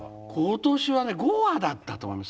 今年はね５羽だったと思います。